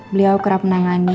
beliau kerap menangani